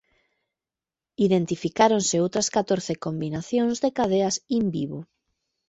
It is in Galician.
Identificáronse outras catorce combinacións de cadeas in vivo.